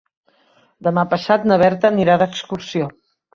Demà passat na Berta anirà d'excursió.